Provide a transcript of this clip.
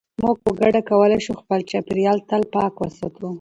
موږ په ګډه کولای شو چې خپل چاپیریال تل پاک وساتو.